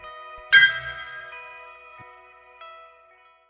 đủ rắc controlled